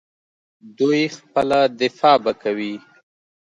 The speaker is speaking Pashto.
دوی خپله دفاع به کوي.